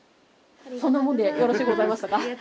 そんなもんでよろしゅうございましたか？